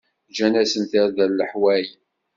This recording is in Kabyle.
Ǧǧan-asen-d tarda n leḥwal.